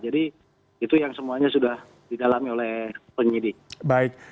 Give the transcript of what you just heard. jadi itu yang semuanya sudah didalami oleh penyidik